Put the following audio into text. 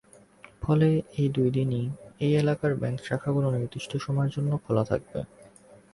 ফলে দুই দিনই এই এলাকার ব্যাংক শাখাগুলো নির্দিষ্ট সময়ের জন্য খোলা থাকবে।